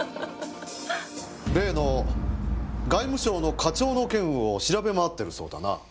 例の外務省の課長の件を調べ回ってるそうだな。